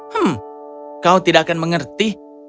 hmm kau tidak akan mengerti